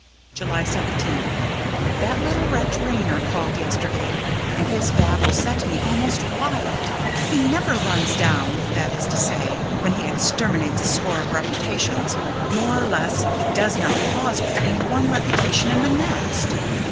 July 17th. That little wretch, Raynor, called yesterday, and his babble set me almost wild. He never runs down that is to say, when he exterminates a score of reputations, more or less, he does not pause between one reputation and the next.